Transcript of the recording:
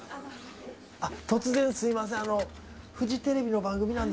突然すいません。